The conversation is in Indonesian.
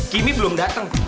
kimi belum datang